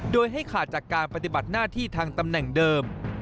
โดยให้ขาดจากการปฏิบัติหน้าที่ทางตำแหน่งเดิม